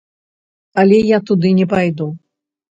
Але я туды не пайду.